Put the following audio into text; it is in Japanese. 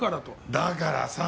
だからさ